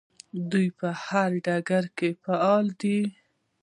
دوی په هر ډګر کې فعالې دي.